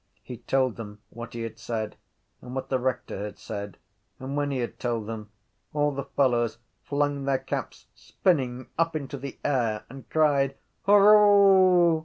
He told them what he had said and what the rector had said and, when he had told them, all the fellows flung their caps spinning up into the air and cried: —Hurroo!